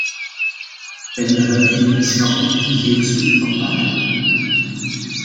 Zijn de huidige wetenschappelijke gegevens betrouwbaar?